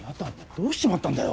どうしちまったんだよ？